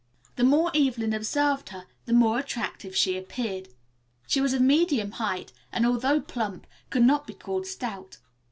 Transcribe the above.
The more Evelyn observed her the more attractive she appeared. She was of medium height, and, although plump, could not be called stout.